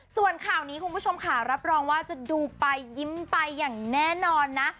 ส่วนข่าวนี้คุณผู้ชมค่ะรับรองว่าจะดูไปยิ้มไปอย่างแน่นอนนะ